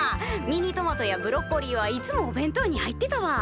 ミニトマトやブロッコリーはいつもお弁当に入ってたわ。